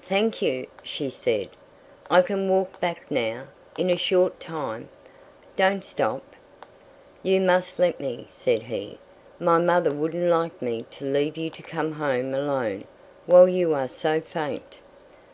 "Thank you!" she said: "I can walk back now, in a short time. Don't stop." "You must let me," said he: "my mother wouldn't like me to leave you to come home alone, while you are so faint."